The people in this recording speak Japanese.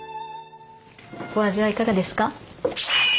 お味はいかがですか？